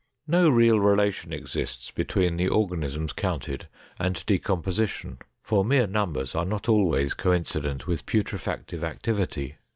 No real relation exists between the organisms counted and decomposition, for mere numbers are not always coincident with putrefactive activity.